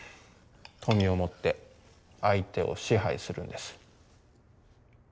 富をもって相手を支配するんです。